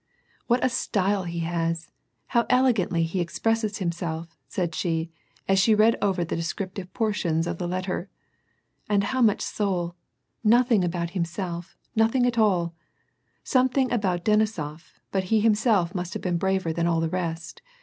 "What a style he has ! How elegantly he expresses himself," said she, as she read over the descriptive por tions of the letter. " And how much soul ! Nothing al)out himself, nothing at all ! Something about that Denisof, but he himself must have been braver than all the rest